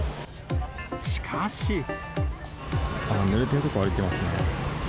ぬれている所を歩いていますね。